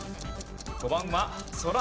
５番は。